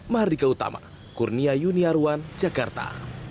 mahardika utama kurnia yuniarwan jakarta